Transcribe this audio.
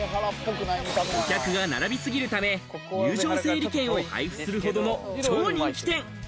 お客が並び過ぎるため、入場整理券を配布するほどの超人気店。